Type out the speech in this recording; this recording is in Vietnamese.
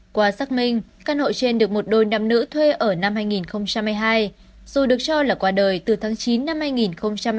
qua xác minh căn hộ trên được một đôi nam nữ thuê ở năm hai nghìn hai mươi hai dù được cho là qua đời từ tháng chín năm hai nghìn hai mươi ba